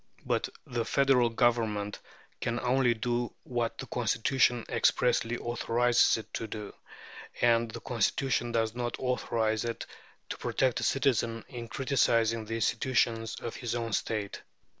But the Federal Government can only do what the Constitution expressly authorizes it to do, and the Constitution does not authorize it to protect a citizen in criticizing the institutions of his own State.